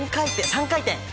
３回転！